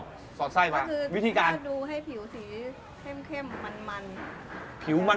ก็คือถ้าดูให้ผิวสีเข้มมัน